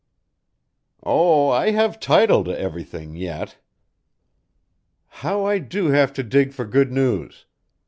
"Oh, I have title to everything yet." "How I do have to dig for good news!